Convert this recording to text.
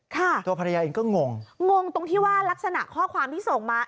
ตัวภรรยาเองก็งงงงตรงที่ว่าลักษณะข้อความที่ส่งมา